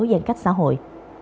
gian cách xã hội